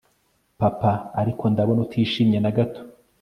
papa ariko ndabona utishimye nagato